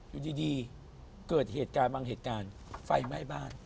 อยู่ดีเกิดเหตุการณ์บางเหตุการณ์ไฟไหม้บ้าน